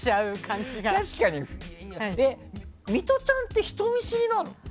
ミトちゃんって人見知りなの？